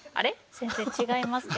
先生違いますけど。